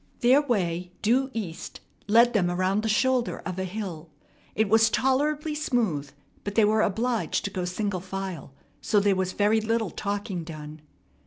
Their way, due east, led them around the shoulder of a hill. It was tolerably smooth, but they were obliged to go single file, so there was very little talking done.